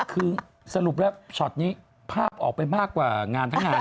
คือสรุปแล้วช็อตนี้ภาพออกไปมากกว่างานทั้งงาน